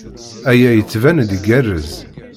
Aya yettban-d igerrez.